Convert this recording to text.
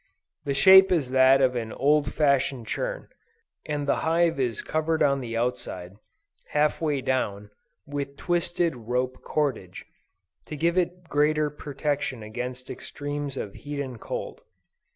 The shape is that of an old fashioned churn, and the hive is covered on the outside, halfway down, with twisted rope cordage, to give it greater protection against extremes of heat and cold.